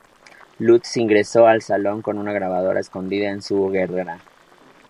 Lutz ingresó al salón con una grabadora escondida en su guerrera.